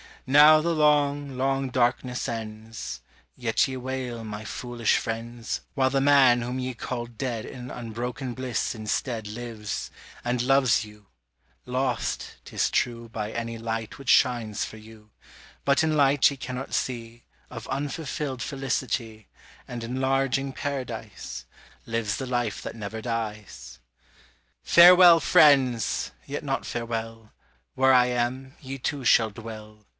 Now the long, long darkness ends. Yet ye wail, my foolish friends, While the man whom ye call "dead" In unbroken bliss instead Lives, and loves you: lost, 'tis true By any light which shines for you; But in light ye cannot see Of unfulfilled felicity, And enlarging Paradise; Lives the life that never dies. Farewell, friends! Yet not farewell; Where I am, ye too shall dwell.